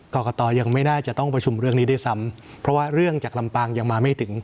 กรกตยังไม่น่าจะต้องประชุมเรื่องนี้ด้วยซ้ำเพราะว่าเรื่องจากลำปางยังมาไม่ถึง